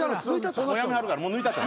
辞めはるからもう抜いたった。